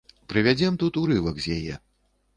Прывядзём тут урывак з яе.